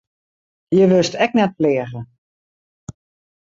Hjir wurdst ek net pleage.